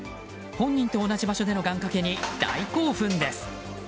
本人と同じ場所での願掛けに大興奮です。